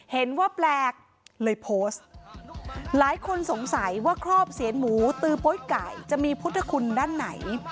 เห็นว่าแปลกเลยโพสต์หลายคนสงสัยว่าครอบเสียนหมูตือโป๊ยไก่จะมีพุทธคุณด้านไหน